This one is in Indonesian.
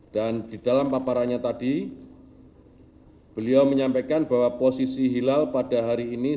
dan di dalam paparannya tadi beliau menyampaikan bahwa posisi hilal pada hari ini